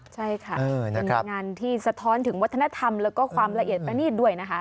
ใช่ค่ะเป็นงานที่สะท้อนถึงวัฒนธรรมแล้วก็ความละเอียดประณีตด้วยนะคะ